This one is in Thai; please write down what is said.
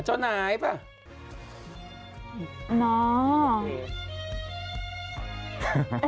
อ๋อเจ้าหน้าใช่ไหม